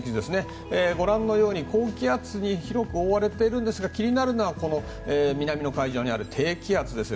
ご覧のように高気圧に広く覆われていますが気になるのは南の海上にある低気圧です。